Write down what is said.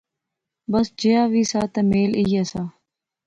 بس جیا وی سا تہ میل ایہہ سا